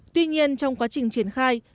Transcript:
tuy nhiên trong quá trình triển khai